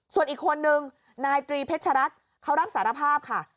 ส่วนอีกคนนึงนายตรีเพชรัตน์เขารับสารภาพค่ะ